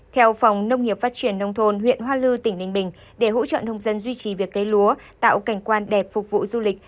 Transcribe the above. theo phòng nông nghiệp phát triển nông thôn huyện hoa lư tỉnh ninh bình để hỗ trợ nông dân duy trì việc cây lúa tạo cảnh quan đẹp phục vụ du lịch